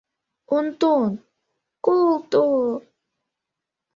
Онтон, колто...